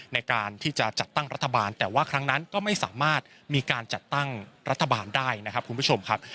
ในการที่จะจัดตั้งรัฐบาลแต่ว่าครั้งนั้นก็ไม่สามารถมีการจัดตั้งรัฐบาลได้นะครับคุณผู้ชมครับ